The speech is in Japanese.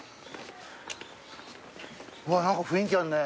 うわ何か雰囲気あるね。